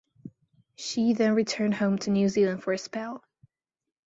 She then returned home to New Zealand for a spell.